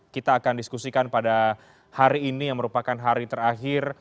kita akan diskusikan pada hari ini yang merupakan hari terakhir